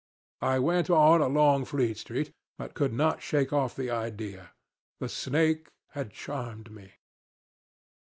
I went on along Fleet Street, but could not shake off the idea. The snake had charmed me.